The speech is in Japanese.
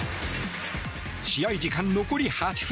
試合時間、残り８分。